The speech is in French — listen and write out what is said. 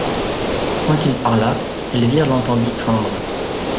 Sans qu'il parlât, Elvire l'entendit craindre.